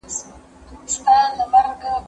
زه پرون سیر وکړ؟!